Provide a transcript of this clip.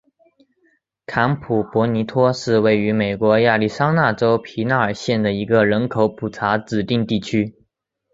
坎普博尼托是位于美国亚利桑那州皮纳尔县的一个人口普查指定地区。